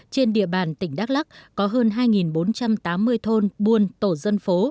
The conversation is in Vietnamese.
trên địa bàn tỉnh đắk lắc có hơn hai bốn trăm tám mươi thôn buôn tổ dân phố